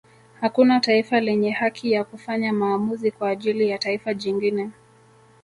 Hakuna taifa lenye haki ya kufanya maamuzi kwa ajili ya taifa jingine